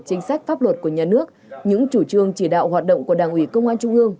chính sách pháp luật của nhà nước những chủ trương chỉ đạo hoạt động của đảng ủy công an trung ương